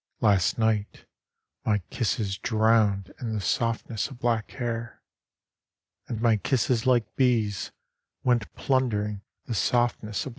Last night my kisses drowned in the softness of black hair, And my kisses like bees went plundering the softness of black hair.